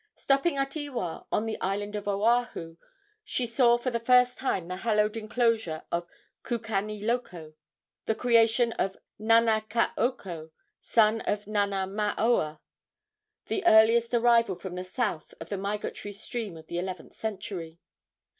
Stopping at Ewa, on the island of Oahu, she saw for the first time the hallowed enclosure of Kukaniloko, the creation of Nanakaoko, son of Nanamaoa, the earliest arrival from the south of the migratory stream of the eleventh century.